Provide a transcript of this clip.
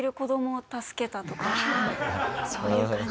ああそういう感じ